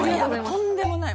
とんでもない。